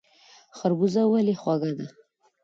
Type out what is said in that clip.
خربوزه ولې خوږه ده؟